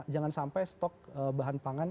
jangan sampai stok bahan pangan